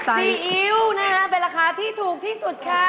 ซีอิ๊วนะคะเป็นราคาที่ถูกที่สุดค่ะ